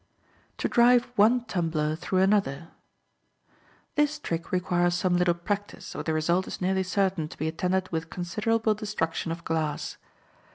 To Drive One Tumbler Through Another.—This trick requires some little practice, or the result is nearly certain to be attended with considerable destruction of glass.